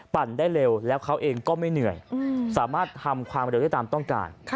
ได้เร็วแล้วเขาเองก็ไม่เหนื่อยสามารถทำความเร็วได้ตามต้องการ